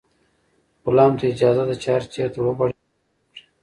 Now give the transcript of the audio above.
غلام ته اجازه ده چې هر چېرته وغواړي سفر وکړي.